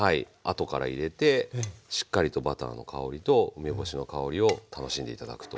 後から入れてしっかりとバターの香りと梅干しの香りを楽しんで頂くと。